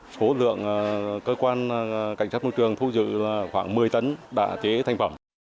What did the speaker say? số lượng cơ quan cảnh sát môi trường thu giữ là khoảng một mươi tấn đã chế thành phẩm